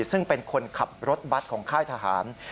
ซึ่งเป็นคนขับรถบัตรของค่ายทหาร